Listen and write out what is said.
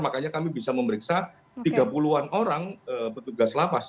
makanya kami bisa memeriksa tiga puluh an orang petugas lapas